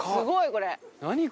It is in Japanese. これ！